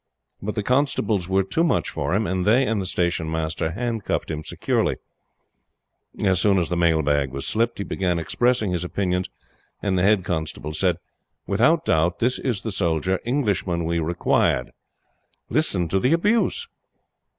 But the constables were too much for him, and they and the Station Master handcuffed him securely. As soon as the mail bag was slipped, he began expressing his opinions, and the head constable said: "Without doubt this is the soldier Englishman we required. Listen to the abuse!"